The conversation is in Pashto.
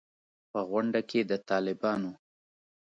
په غونډه کې د طالبانو